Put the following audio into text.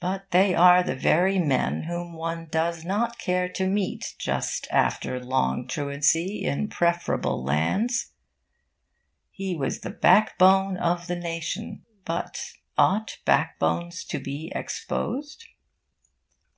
But they are the very men whom one does not care to meet just after long truancy in preferable lands. He was the backbone of the nation. But ought backbones to be exposed?